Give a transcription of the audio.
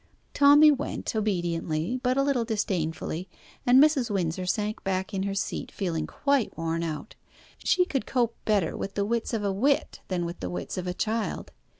Tommy went, obediently, but a little disdainfully, and Mrs. Windsor sank back in her seat feeling quite worn out. She could cope better with the wits of a wit than with the wits of a child.